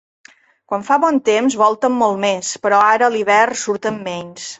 Quan fa bon temps volten molt més, però ara a l’hivern surten menys.